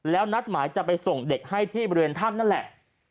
แล้วนัดหมายจะไปส่งเด็กให้ที่บริเวณถ้ำนั่นแหละ